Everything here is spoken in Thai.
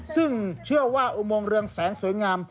ซึ่งเชื่อว่าอุโมงเรืองแสงสวยงาม